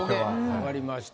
わかりました。